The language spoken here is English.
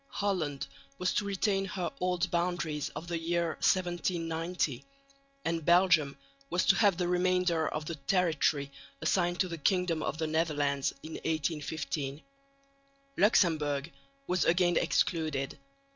Holland was to retain her old boundaries of the year 1790, and Belgium to have the remainder of the territory assigned to the kingdom of the Netherlands in 1815. Luxemburg was again excluded.